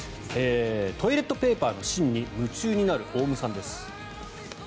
トイレットペーパーの芯に夢中になるオウムさんです。